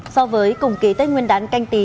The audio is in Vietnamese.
so với cùng ký tết nguyên đán canh tí